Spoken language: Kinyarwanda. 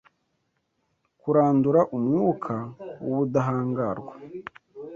Kurandura umwuka wubudahangarwa